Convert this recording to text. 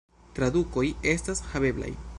Tradukoj estas haveblaj.